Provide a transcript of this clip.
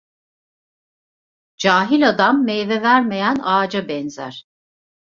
Cahil adam meyve vermeyen ağaca benzer.